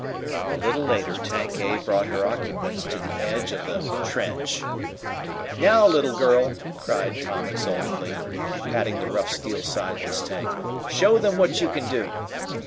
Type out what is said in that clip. A little later Tank A brought her occupants to the edge of the "trench." "Now, little girl," cried Tom exultingly, patting the rough steel side of his tank, "show them what you can do!"